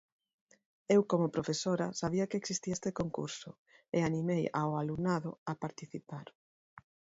Eu como profesora sabía que existía este concurso e animei ao alumnado a participar.